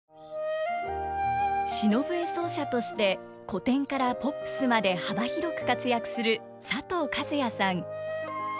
篠笛奏者として古典からポップスまで幅広く活躍する佐藤和哉さん。